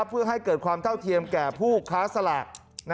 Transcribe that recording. เพื่อให้เกิดความเท่าเทียมแก่ผู้ค้าสลาก